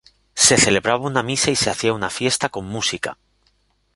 Se celebraba una misa y se hacía una fiesta con música.